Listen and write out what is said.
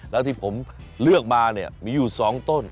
แล้วที่ผมเลือกมาเนี่ยมีอยู่๒ต้น